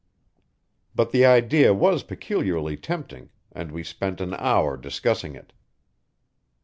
But the idea was peculiarly tempting, and we spent an hour discussing it.